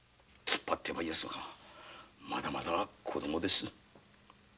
突っ張ってはいてもまだまだ子供です。